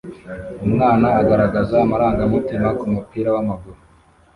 Umwana agaragaza amarangamutima kumupira wamaguru